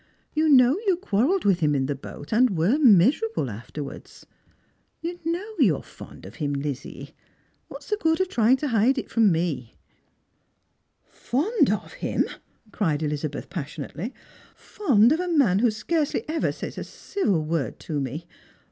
"You know you quarrelled with him in the boat, and were miserable afterwards. You k now you are fond of him, Lizzie. What's the good of trying to hide it from me ?" 68 Strangers and Pilgrims. " Fond of him !" cried Elizabeth passionately. "Fond of a man who scarcely ever says a civil word to me